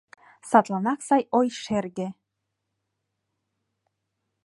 Садланак сай ой шерге.